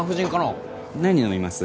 何飲みます？